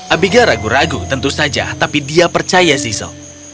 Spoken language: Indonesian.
abiga ragu ragu tentu saja tapi dia percaya zizzle